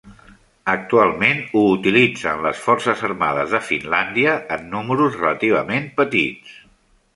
Actualment ho utilitzen les Forces Armades de Finlàndia en números relativament petits.